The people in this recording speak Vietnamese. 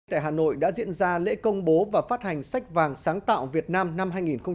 tại hà nội đã diễn ra lễ công bố và phát hành sách vàng sáng tạo việt nam năm hai nghìn một mươi chín